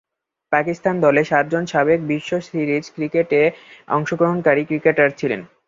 পাকিস্তান দলে সাতজন সাবেক বিশ্ব সিরিজ ক্রিকেটে অংশগ্রহণকারী ক্রিকেটার ছিলেন।